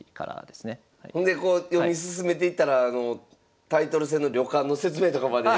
ほんでこう読み進めていったらタイトル戦の旅館の説明とかまで。